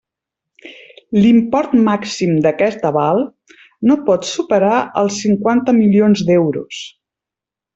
L'import màxim d'aquest aval no pot superar els cinquanta milions d'euros.